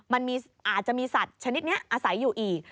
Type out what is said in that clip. มันอาจจะมีสัตว์ชนิดนี้อาศัยอยู่อีก